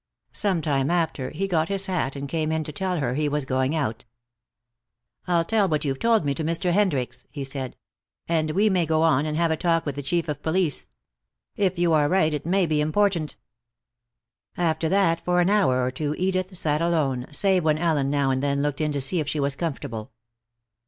Some time after he got his hat and came in to tell her he was going out. "I'll tell what you've told me to Mr. Hendricks," he said. "And we may go on and have a talk with the Chief of Police. If you are right it may be important." After that for an hour or two Edith sat alone, save when Ellen now and then looked in to see if she was comfortable.